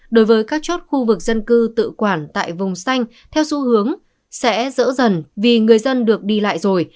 đối với các chốt khu vực dân cư tự quản tại vùng xanh theo xu hướng sẽ dỡ dần vì người dân được đi lại rồi